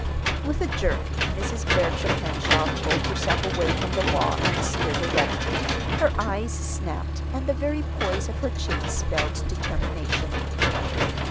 With a jerk Mrs. Bertram Henshaw pulled herself away from the wall and stood erect. Her eyes snapped, and the very poise of her chin spelled determination.